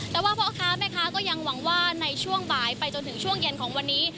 แต่ว่าพ่อค้าแม่ค้าก็ยังหวังว่าในช่วงบ่ายไปจนถึงช่วงเย็นของวันนี้